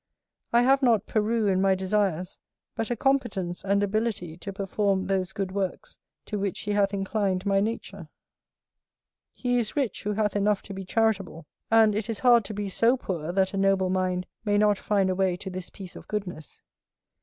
I have not Peru in my desires, but a competence and ability to perform those good works to which he hath inclined my nature. He is rich who hath enough to be charitable; and it is hard to be so poor that a noble mind may not find a way to this piece of goodness.